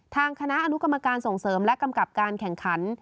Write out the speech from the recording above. ทางคณะอนุกรรมการส่งเสริมและกำกับการแข่งขัน